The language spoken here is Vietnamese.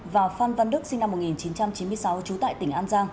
và phan văn đức sinh năm một nghìn chín trăm chín mươi sáu trú tại tỉnh hà nội